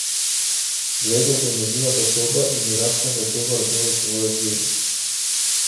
Влегов во нејзината соба и ми раскажа добар дел од својот живот.